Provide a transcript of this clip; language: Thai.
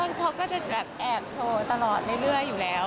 เขาก็จะแบบแอบโชว์ตลอดเรื่อยอยู่แล้ว